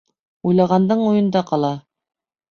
Уйлағандың уйында ҡала.